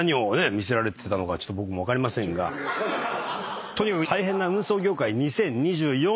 見せられてたのかちょっと僕も分かりませんがとにかく大変な運送業界２０２４